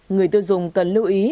người tiêu dùng cần lưu ý